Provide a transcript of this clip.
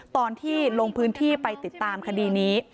ตอนที่ลงพื้นที่ไปติดตามคดีนี้